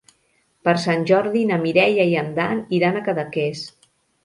Per Sant Jordi na Mireia i en Dan iran a Cadaqués.